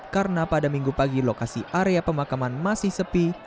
karena pada minggu pagi lokasi area pemakaman masih sepi